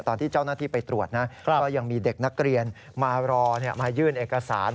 ตอนที่เจ้าหน้าที่ไปตรวจนะก็ยังมีเด็กนักเรียนมารอมายื่นเอกสาร